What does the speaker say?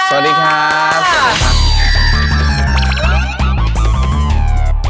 สวัสดีค่ะ